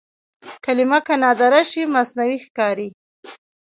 کلمه که نادره شي مصنوعي ښکاري.